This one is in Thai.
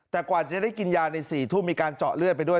แต่กว่าจะได้กินยาใน๔ทุ่มมีการเจาะเลือดไปด้วย